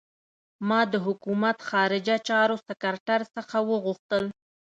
ما د حکومت خارجه چارو سکرټر څخه وغوښتل.